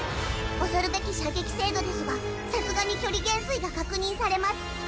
恐るべき射撃精度ですがさすがに距離減衰が確認されます。